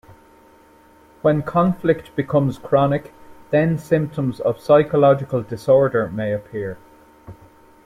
When conflict becomes chronic, then symptoms of psychological disorder may appear.